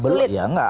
belum ya gak